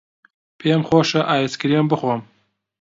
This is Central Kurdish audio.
پێم خۆشە ئایسکرێم بخۆم.